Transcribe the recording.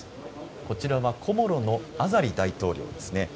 こちらはコモロのアザリ大統領ですね。